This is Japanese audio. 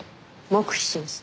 黙秘します。